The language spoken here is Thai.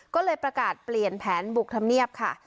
ก็เลยประกาศเปลี่ยนแผนบุกธรรมเนียบค่ะ